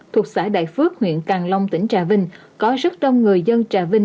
thuộc xã đại phước huyện càng long tỉnh trà vinh có rất đông người dân trà vinh